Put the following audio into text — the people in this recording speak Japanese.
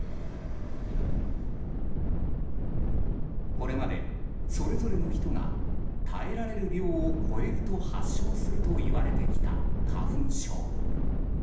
これまで、それぞれの人が耐えられる量を超えると発症するといわれてきた花粉症。